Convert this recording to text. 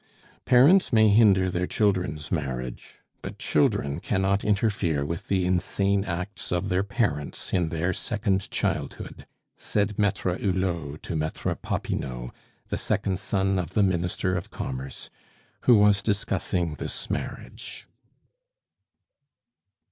"Parents may hinder their children's marriage, but children cannot interfere with the insane acts of their parents in their second childhood," said Maitre Hulot to Maitre Popinot, the second son of the Minister of Commerce, who was discussing this marriage.